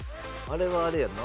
あれはあれやろ。